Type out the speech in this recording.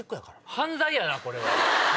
犯罪やなこれは。